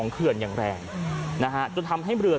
เฮ้ยเฮ้ยเฮ้ยเฮ้ย